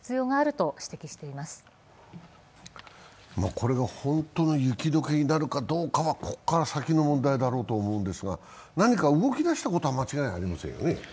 これが本当の雪解けになるかは、ここから先の問題だろうとは思いますが何か動き出したことは間違いありませんよね。